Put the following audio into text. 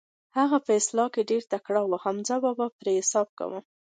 هغه په اصلاح کې ډېر تکړه و، حمزه بابا پرې حساب کاوه.